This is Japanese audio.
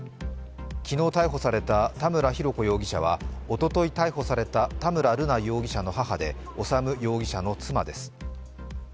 昨日逮捕された田村浩子容疑者はおととい逮捕された田村瑠奈容疑者の母で修容疑者の妻です。